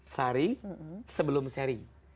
saring sebelum sharing